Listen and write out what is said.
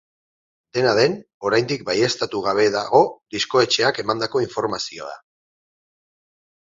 Dena den, oraindik baieztatu gabe dago diskoetxeak emandako informazioa.